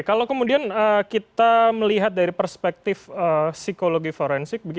kalau kemudian kita melihat dari perspektif psikologi forensik